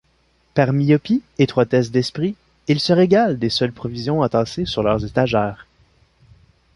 Par myopie, étroitesse d’esprit, ils se régalent des seules provisions entassées sur leurs étagères.